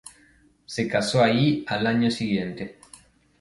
Se casó ahí al año siguiente.